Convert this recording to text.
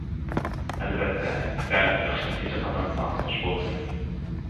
ئەلۋەتتە، سەن ياخشى نەتىجە قازانساڭ خوش بولىمىز.